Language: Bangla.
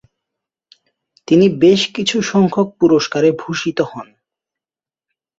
তিনি বেশ কিছুসংখ্যক পুরস্কারে ভূষিত হন।